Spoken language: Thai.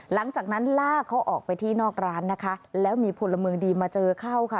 หลังจากนั้นลากเขาออกไปที่นอกร้านนะคะแล้วมีพลเมืองดีมาเจอเข้าค่ะ